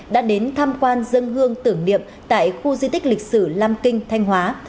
đã đến tham quan dân hương tưởng niệm tại khu di tích lịch sử lam kinh thanh hóa